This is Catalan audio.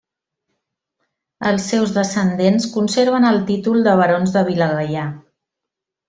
Els seus descendents conserven el títol de barons de Vilagaià.